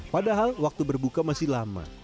padahal waktu berbuka masih lama